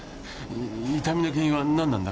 痛みの原因はなんなんだ？